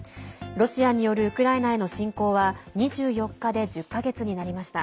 ロシアによるウクライナへの侵攻は２４日で１０か月になりました。